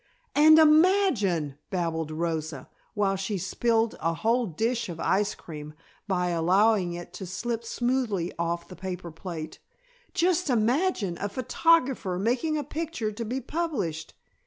"And imagine!" babbled Rosa, while she spilled a whole dish of ice cream by allowing it to slip smoothly off the paper plate, "just imagine a photographer making a picture to be published!